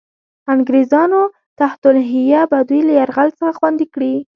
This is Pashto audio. انګرېزانو تحت الحیه به دوی له یرغل څخه خوندي کړي.